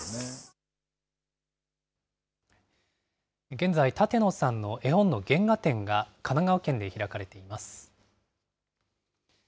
現在、舘野さんの絵本の原画展が神奈川県で開かれています。